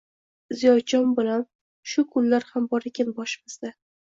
Ziyodjon, bolam, shu kunlar ham bor ekan boshimizda!